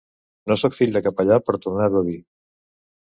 No soc fill de capellà per tornar-ho a dir.